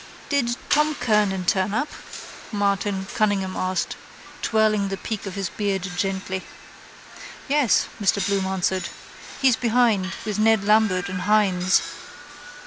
—Did Tom Kernan turn up? Martin Cunningham asked, twirling the peak of his beard gently. —Yes, Mr Bloom answered. He's behind with Ned Lambert and Hynes.